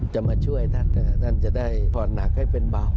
จะมาช่วยท่านท่านจะได้ผ่อนหนักให้เป็นเบา